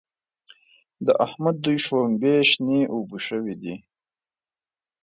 د احمد دوی شلومبې شنې اوبه شوې دي.